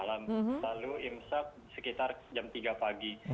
lalu imsak sekitar jam tiga pagi